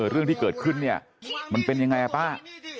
เรื่องที่เกิดขึ้นเนี่ยมันเป็นยังไงป้า